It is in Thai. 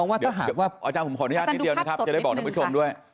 อาจารย์ผมขออนุญาตนิดเดียวจะได้บอกทำผู้ชมด้วย